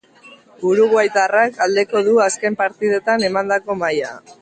Uruguaitarrak aldeko du azken partidetan emandako maila.